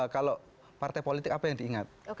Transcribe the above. kalau partai politik apa yang diingat